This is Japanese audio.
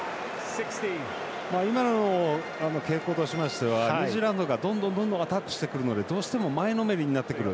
今の傾向としましてはニュージーランドがどんどんアタックしてくるのでどうしても前のめりになってくる。